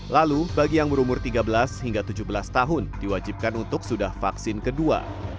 lalu bagi yang berumur tiga belas hingga tujuh belas tahun diwajibkan untuk sudah vaksin kedua